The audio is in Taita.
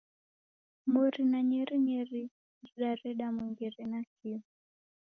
Mori na nyerinyeri ridareda mwengere nakio.